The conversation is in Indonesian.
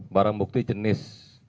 barang bukti jenis